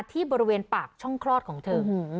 ที่บริเวณปากช่องคลอดของเธอ